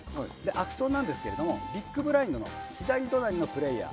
アクションですがビッグブラインドの左隣のプレーヤー。